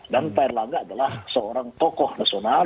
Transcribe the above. dan payarlangga adalah seorang tokoh nasional